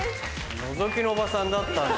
のぞきのおばさんだったんだ。